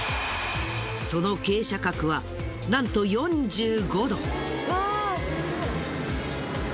その傾斜角はなんと４５度。